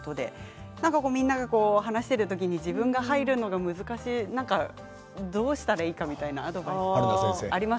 みんなが話している時に自分が入るのが難しいどうしたらいいかみたいなアドバイスあります？